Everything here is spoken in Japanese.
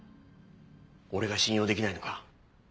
俺が信用できないのか？